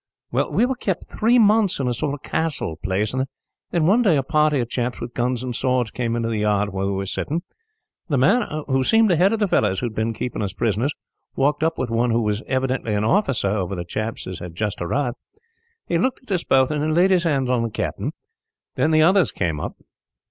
"Well, we were kept three months in a sort of castle place; and then one day a party of chaps, with guns and swords, came into the yard where we were sitting. The man, who seemed the head of the fellows who had been keeping us prisoners, walked up with one who was evidently an officer over the chaps as had just arrived. He looked at us both, and then laid his hand on the captain. Then the others came up.